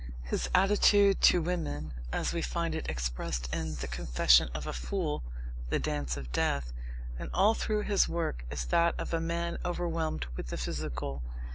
His attitude to women, as we find it expressed in The Confession of a Fool, The Dance of Death, and all through his work, is that of a man overwhelmed with the physical.